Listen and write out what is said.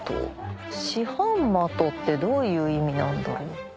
四半的ってどういう意味なんだろう？